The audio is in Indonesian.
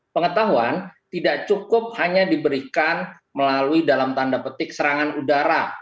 pengetahuan tidak cukup hanya diberikan melalui dalam tanda petik serangan udara